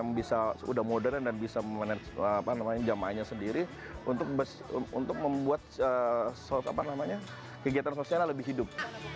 yang bisa sudah modern dan bisa memanage jamaahnya sendiri untuk membuat kegiatan sosialnya lebih hidup